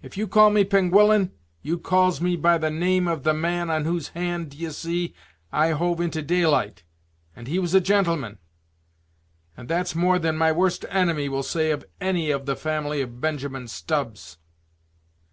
If you call me Penguillan, you calls me by the name of the man on whose hand, d'ye see, I hove into daylight; and he was a gentleman; and that's more than my worst enemy will say of any of the family of Benjamin Stubbs."